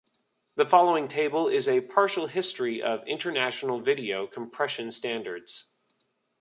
The following table is a partial history of international video compression standards.